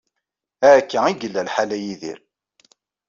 Akka i yella lḥal a Yidir.